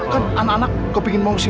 kan anak anak kepengen mau main